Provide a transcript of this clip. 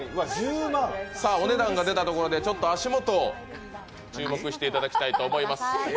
お値段が出たところで足元に注目していただきたいと思います。